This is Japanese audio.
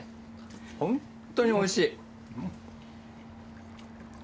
ホントにおいしい！